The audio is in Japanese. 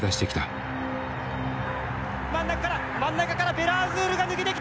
真ん中から真ん中からヴェラアズールが抜けてきた。